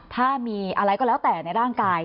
ถ้ามีอะไรก็แล้วแต่ในร่างกาย